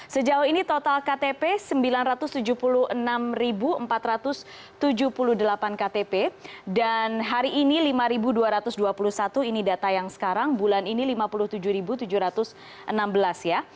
sejauh ini total ktp sembilan ratus tujuh puluh enam empat ratus tujuh puluh delapan ktp dan hari ini lima dua ratus dua puluh satu ini data yang sekarang bulan ini lima puluh tujuh tujuh ratus enam belas ya